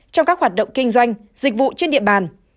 trong các hoạt động kinh doanh dịch vụ trên địa bàn